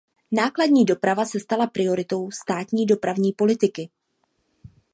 Nákladní doprava se stala prioritou státní dopravní politiky.